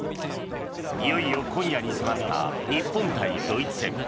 いよいよ今夜に迫った日本対ドイツ戦。